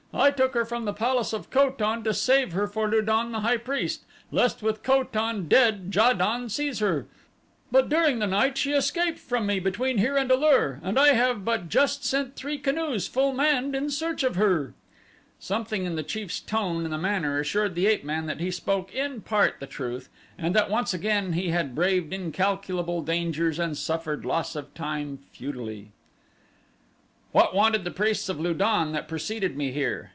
I took her from the palace of Ko tan to save her for Lu don, the high priest, lest with Ko tan dead Ja don seize her. But during the night she escaped from me between here and A lur, and I have but just sent three canoes full manned in search of her." Something in the chief's tone and manner assured the ape man that he spoke in part the truth, and that once again he had braved incalculable dangers and suffered loss of time futilely. "What wanted the priests of Lu don that preceded me here?"